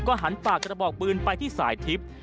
หันปากกระบอกปืนไปที่สายทิพย์